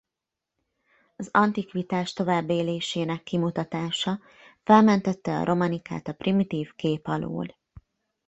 Az antikvitás továbbélésének kimutatása felmentette a romanikát a primitív kép alól.